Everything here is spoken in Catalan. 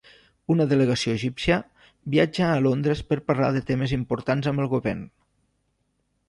Una delegació egípcia viatja a Londres per parlar de temes importants amb el govern.